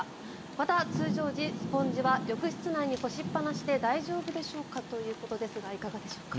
また通常時、スポンジは浴室内に干しっぱなしで大丈夫でしょうかということですがいかがでしょうか。